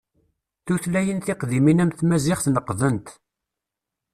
Tutlayin tiqdimin am tmazight neqḍent.